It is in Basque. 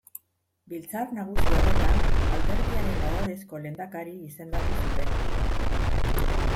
Biltzar Nagusi horretan alderdiaren ohorezko lehendakari izendatu zuten.